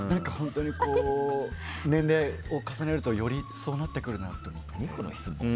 年齢を重ねるとよりそうなってくるなと思って。